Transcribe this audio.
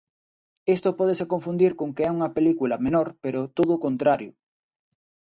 Isto pódese confundir con que é unha película menor pero todo o contrario.